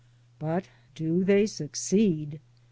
But do they succeed?